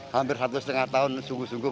hampir satu setengah tahun sungguh sungguh